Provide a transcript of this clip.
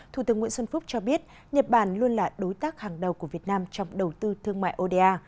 thủ tướng nguyễn xuân phúc cho biết nhật bản luôn là đối tác hàng đầu của việt nam trong đầu tư thương mại oda